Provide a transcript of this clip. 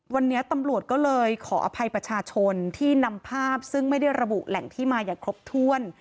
วันนี้ตำรวจก็เลยขออภัยประชาชนที่นำภาพซึ่งไม่ได้ระบุแหล่งที่มาอย่างครบถ้วน